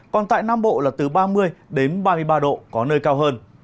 còn tại nam bộ là từ ba mươi ba mươi ba độ